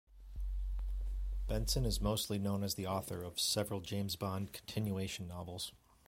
Benson is mostly known as the author of several James Bond continuation novels.